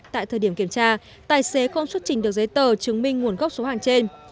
tại thời điểm kiểm tra tài xế không xuất trình được giấy tờ chứng minh nguồn gốc số hàng trên